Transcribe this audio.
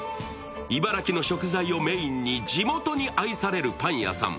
茨城の食材をメーンに地元に愛されるパン屋さん。